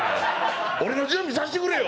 俺の準備させてくれよ！